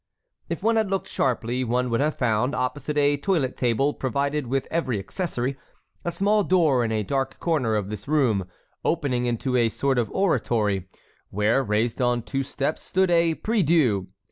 If one had looked sharply one would have found, opposite a toilet table provided with every accessory, a small door in a dark corner of this room opening into a sort of oratory where, raised on two steps, stood a priedieu.